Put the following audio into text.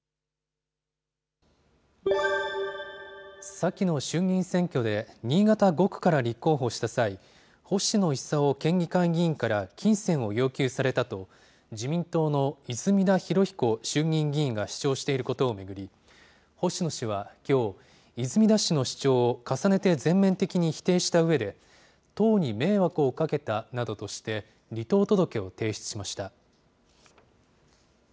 先の衆議院選挙で、新潟５区から立候補した際、星野伊佐夫県議会議員から金銭を要求されたと、自民党の泉田裕彦衆議院議員が主張していることを巡り、星野氏はきょう、泉田氏の主張を重ねて全面的に否定したうえで、党に迷惑をかけたなどとして、離党届を提出しました。